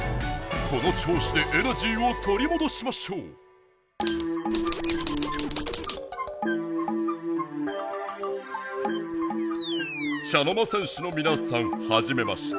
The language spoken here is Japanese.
このちょうしでエナジーをとりもどしましょう茶の間戦士のみなさんはじめまして。